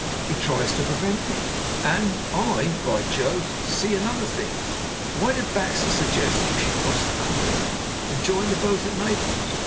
He tries to prevent me; and I by Jove! I see another thing. Why did Baxter suggest that you should cross the Continent and join the boat at Naples?